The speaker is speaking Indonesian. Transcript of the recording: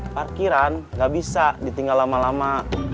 parkiran nggak bisa ditinggal lama lama